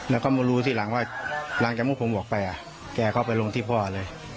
แล้วก็รู้สิหลังว่ากลางจากที่ผมออกไปแกเข้าไปลงที่พ่อเลย